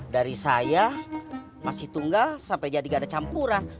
dari saya masih tunggal sampai jadi gak ada campuran